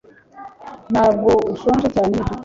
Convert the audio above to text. Ntabwo ushonje cyane nibyo